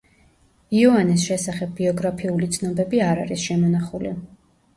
იოანეს შესახებ ბიოგრაფიული ცნობები არ არის შემონახული.